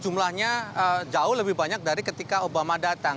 jumlahnya jauh lebih banyak dari ketika obama datang